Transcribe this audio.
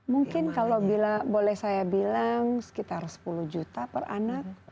mungkin kalau boleh saya bilang sekitar sepuluh juta per anak